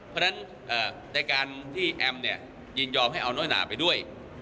เพราะฉะนั้นในการที่แอมยินยอมให้เอาน้อยหนาไปด้วย